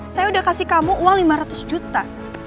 saya udah kasih kamu uang lima ratus juta